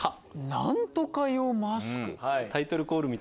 何とか用マスク？